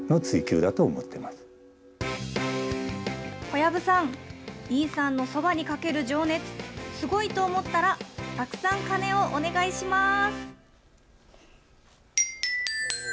小籔さん、井さんのそばにかける情熱、すごいと思ったら、たくさん鐘をお願いします。